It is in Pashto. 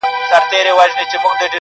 د خپل رقیب کړو نیمه خوا لښکري٫